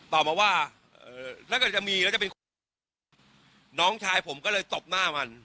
ตอบมาว่าเอ่อแล้วก็จะมีแล้วจะเป็นน้องชายผมก็เลยตบหน้ามัน